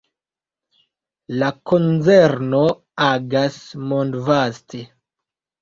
La konzerno agas mondvaste.